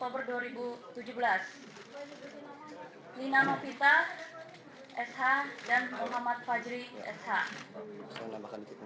berapa sepuluh tahunnya